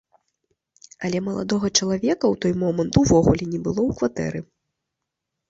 Але маладога чалавека ў той момант увогуле не было ў кватэры.